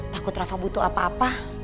takut rafa butuh apa apa